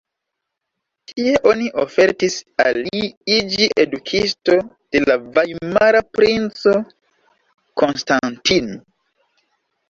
Tie oni ofertis al li iĝi edukisto de la vajmara princo Konstantin.